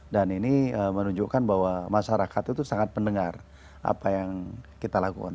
dan ini menunjukkan bahwa masyarakat itu sangat mendengar apa yang kita lakukan